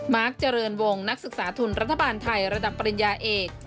เจริญวงนักศึกษาทุนรัฐบาลไทยระดับปริญญาเอก